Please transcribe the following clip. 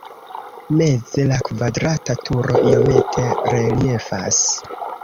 Meze la kvadrata turo iomete reliefas.